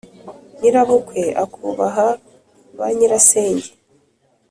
nyirabukwe, akubaha ba nyirasenge